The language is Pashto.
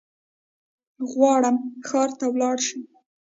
غواړم ښار ته ولاړشم